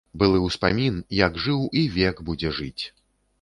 Былы ўспамін, які жыў і век будзе жыць.